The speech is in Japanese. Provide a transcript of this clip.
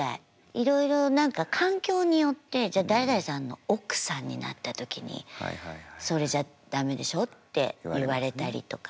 いろいろ何か環境によって誰々さんの奥さんになった時に「それじゃ駄目でしょ」って言われたりとか。